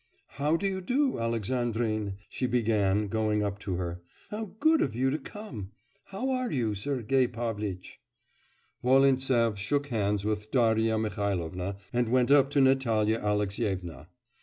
'How do you do, Alexandrine?' she began, going up to her, 'how good of you to come!... How are you, Sergei Pavlitch?' Volintsev shook hands with Darya Mihailovna and went up to Natalya Alexyevna.